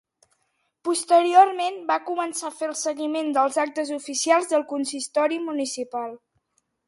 Posteriorment va començar a fer el seguiment dels actes oficials del consistori municipal.